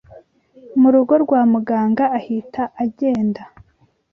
mu rugo rwa Muganga ahita agenda